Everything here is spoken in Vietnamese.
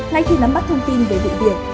ngay khi nắm bắt thông tin về vụ việc